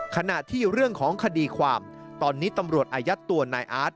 ขณะที่เรื่องของคดีความตอนนี้ตำรวจอายัดตัวนายอาร์ต